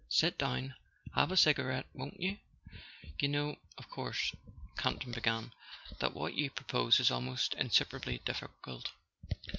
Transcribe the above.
"Sit down—have a cigarette, won't you ?—You know, of course," Campton began, "that what you propose is almost insuperably difficult?"